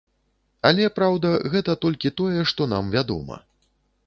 Але, праўда, гэта толькі тое, што нам вядома.